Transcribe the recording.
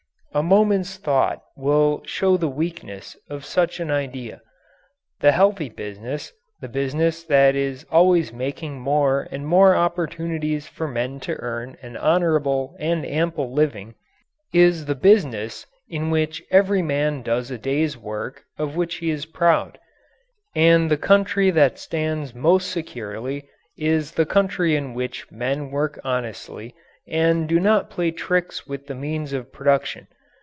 A moment's thought will show the weakness of such an idea. The healthy business, the business that is always making more and more opportunities for men to earn an honourable and ample living, is the business in which every man does a day's work of which he is proud. And the country that stands most securely is the country in which men work honestly and do not play tricks with the means of production.